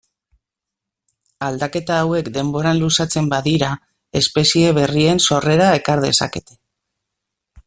Aldaketa hauek denboran luzatzen badira espezie berrien sorrera ekar dezakete.